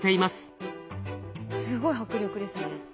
すごい迫力ですね。